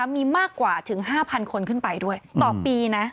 มีมากกว่าถึง๕๐๐คนขึ้นไปด้วยต่อปีนะ